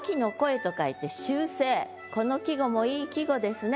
この季語もいい季語ですね。